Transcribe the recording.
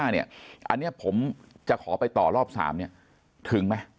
๓๔๕เนี่ยอันนี้ผมจะขอไปต่อรอบ๓เนี่ยถึงไหม